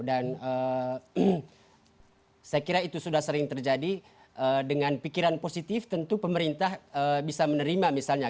dan saya kira itu sudah sering terjadi dengan pikiran positif tentu pemerintah bisa menerima misalnya